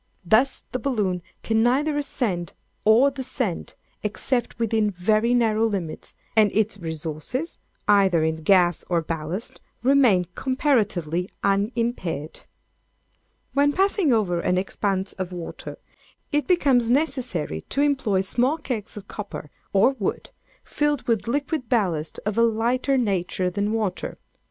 Thus, the balloon can neither ascend or descend, except within very narrow limits, and its resources, either in gas or ballast, remain comparatively unimpaired. When passing over an expanse of water, it becomes necessary to employ small kegs of copper or wood, filled with liquid ballast of a lighter nature than water.